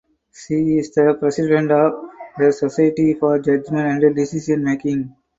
She is the President of the Society for Judgment and Decision Making.